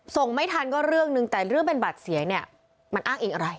ส่งไม่ทันก็เรื่องนึงแต่เรื่องเป็นบัตรเสียเนี่ยมันอ้างอิงอะไร